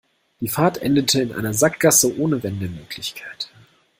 Die Fahrt endete in einer Sackgasse ohne Wendemöglichkeit.